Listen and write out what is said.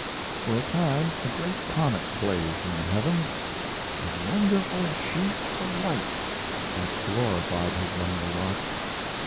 For a time a great comet blazed in the heavens, a "wonderful sheaf of light" that glorified his lonely watch.